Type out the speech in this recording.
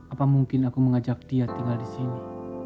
apa mungkin aku mengajak dia tinggal di sini